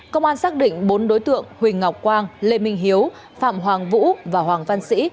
công an xác định bốn đối tượng huỳnh ngọc quang lê minh hiếu phạm hoàng vũ và hoàng văn sĩ